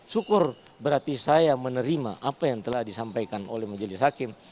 syukur berarti saya menerima apa yang telah disampaikan oleh majelis hakim